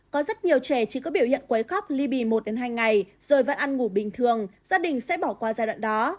có rất nhiều trẻ chỉ có biểu hiện quấy khóc ly bì một hai ngày rồi vẫn ăn ngủ bình thường gia đình sẽ bỏ qua giai đoạn đó